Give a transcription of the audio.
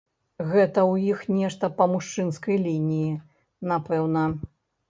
Гэта ў іх нешта па мужчынскай лініі, напэўна.